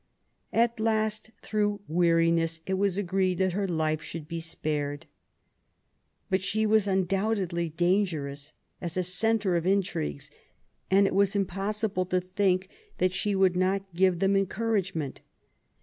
At last, through weariness, it was agreed that her life should be spared. But she was undoubtedly dangerous, as a centre of intrigues ; and it was impossible to think that she would not give them encouragement.